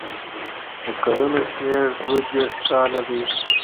د کلونو شمېر دوه دېرش کاله دی.